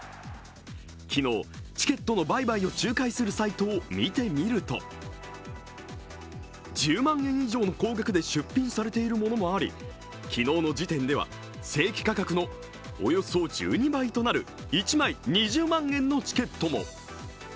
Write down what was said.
昨日、チケットの売買を仲介するサイトを見てみると、１０万円以上の高額で出品されているものもあり昨日の時点では正規価格のおよそ１２倍となる１枚２０万円のチケットも。